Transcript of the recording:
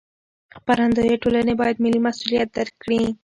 خپرندویه ټولنې باید ملي مسوولیت درک کړي.